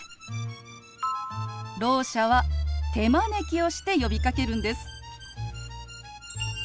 ろう者は手招きをして呼びかけるんです。